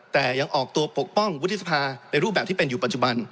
แต่ยังออกตัวปกป้องวุฒิสภาในรูปแบบที่เป็นอยู่ปัจจุบัน